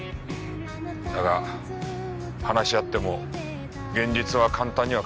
だが話し合っても現実は簡単には変わらない。